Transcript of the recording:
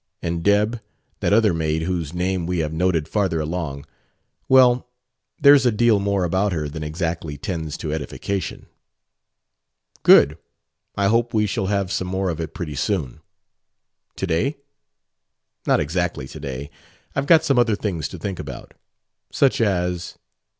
and 'Deb,' that other maid whose name we have noted farther along well, there's a deal more about her than exactly tends to edification...." "Good. I hope we shall have some more of it pretty soon." "To day?" "Not exactly to day. I've got some other things to think about." "Such as?"